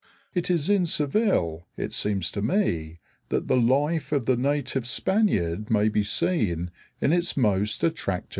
It is in Seville, it seems to me, that the life of the native Spaniard may be seen in its most attractive light.